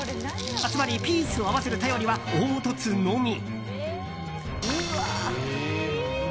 つまりピースを合わせる頼りは凹凸のみ。